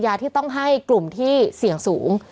ที่ต้องให้กลุ่มที่เสี่ยงสูง